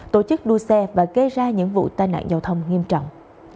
tổ chức đua xe và gây ra những vụ tai nạn giao thông nghiêm trọng